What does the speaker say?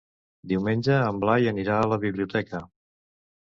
Diumenge en Blai anirà a la biblioteca.